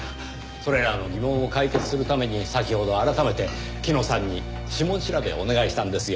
それらの疑問を解決するために先ほど改めて木埜さんに指紋調べをお願いしたんですよ。